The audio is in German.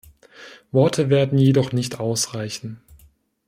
Worte werden jedoch nicht ausreichen.